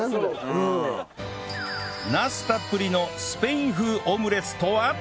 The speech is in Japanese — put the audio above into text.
ナスたっぷりのスペイン風オムレツとは？